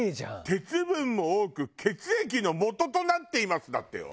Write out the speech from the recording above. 「鉄分も多く血液のもととなっています」だってよ。